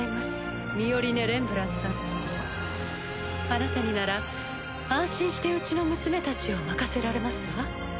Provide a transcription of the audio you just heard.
あなたになら安心してうちの娘たちを任せられますわ。